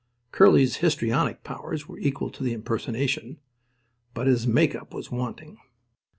Curly's histrionic powers were equal to the impersonation; but his make up was wanting.